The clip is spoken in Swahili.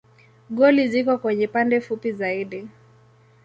Goli ziko kwenye pande fupi zaidi.